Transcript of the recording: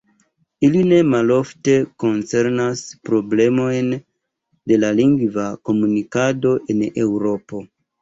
Ili ne malofte koncernas problemojn de la lingva komunikado en Eŭropo.